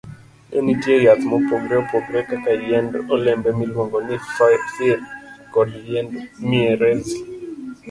Ne nitie yath mopogore opogore kaka yiend olembe miluongo ni fir, kod yiend mierezi.